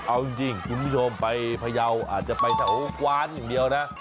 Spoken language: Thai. เอาจริงคุณผู้ชมไปพยาวอาจจะไปแถวกว้านอย่างเดียวนะ